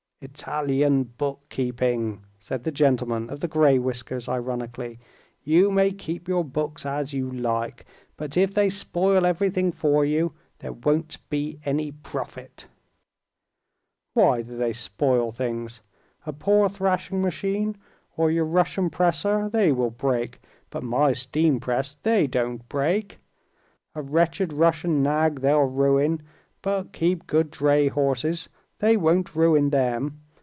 "Italian bookkeeping," said the gentleman of the gray whiskers ironically. "You may keep your books as you like, but if they spoil everything for you, there won't be any profit." "Why do they spoil things? A poor thrashing machine, or your Russian presser, they will break, but my steam press they don't break. A wretched Russian nag they'll ruin, but keep good dray horses—they won't ruin them.